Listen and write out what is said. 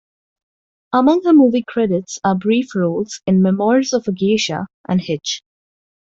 Among her movie credits are brief roles in "Memoirs of a Geisha" and "Hitch".